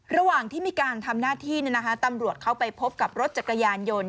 ระหว่างที่มีการทำหน้าที่ตำรวจเข้าไปพบกับรถจักรยานยนต์